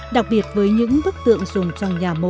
đặc biệt với những bức tượng dùng trong nhà một